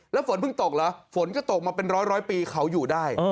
แล้วฝนเพิ่งตกเหรอฝนก็ตกมาเป็นร้อยปีเขาอยู่ได้